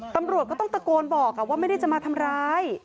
ตำรวจก็ต้องตะโกนบอกว่าไม่ได้จะมาทำร้าย